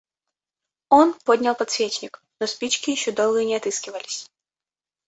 Он поднял подсвечник, но спички еще долго не отыскивались.